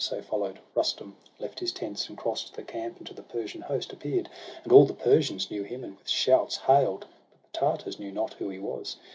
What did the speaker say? So follow'd, Rustum left his tents, and cross'd The camp, and to the Persian host appear'd. And all the Persians knew him, and with shouts Hail'd ; but the Tartars knew not who he was.